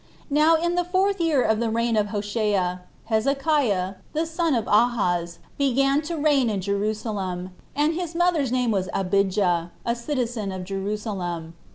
Now, in the fourth year of the reign of Hoshea, Hezekiah, the son of Ahaz, began to reign in Jerusalem; and his mother's name was Abijah, a citizen of Jerusalem.